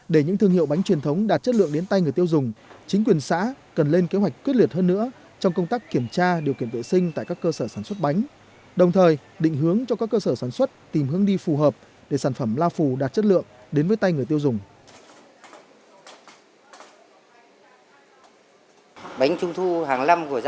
để những thương hiệu bánh truyền thống đạt chất lượng đến tay người tiêu dùng chính quyền xã cần lên kế hoạch quyết liệt hơn nữa trong công tác kiểm tra điều kiểm vệ sinh tại các cơ sở sản xuất bánh đồng thời định hướng cho các cơ sở sản xuất tìm hướng đi phù hợp để sản phẩm la phù đạt chất lượng đến với tay người tiêu dùng